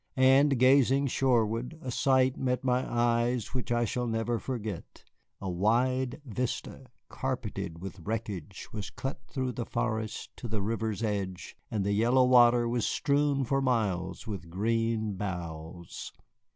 And gazing shoreward, a sight met my eyes which I shall never forget. A wide vista, carpeted with wreckage, was cut through the forest to the river's edge, and the yellow water was strewn for miles with green boughs.